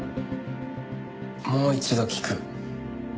もう一度聞く。